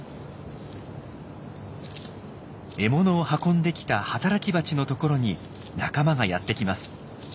獲物を運んできた働きバチの所に仲間がやって来ます。